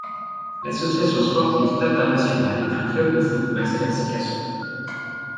L'Association Sportive Tata National est un club de football basé à Sikasso.